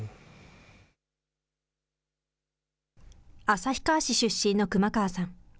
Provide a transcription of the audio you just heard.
旭川市出身の熊川さん。